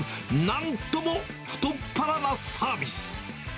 なんとも太っ腹なサービス。